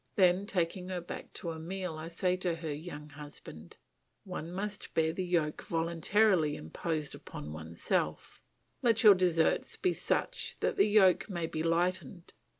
Then, taking her back to Emile, I say to her young husband, "One must bear the yoke voluntarily imposed upon oneself. Let your deserts be such that the yoke may be lightened.